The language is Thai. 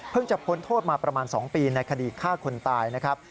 จะพ้นโทษมาประมาณ๒ปีในคดีฆ่าคนตายนะครับ